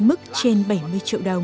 mức trên bảy mươi triệu đồng